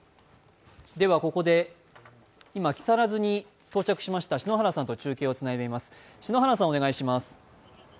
ここで今、木更津に到着しました篠原さんと中継をつないでみます、お願いします。